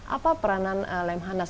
apa peranan lemhanas